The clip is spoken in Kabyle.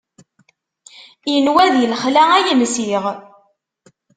Inwa di lexla ay nsiɣ.